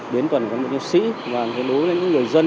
biến toàn bộ nhiệm sĩ và đối với những người dân